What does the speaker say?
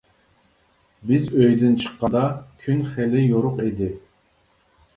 بىز ئۆيدىن چىققاندا كۈن خېلى يورۇق ئىدى.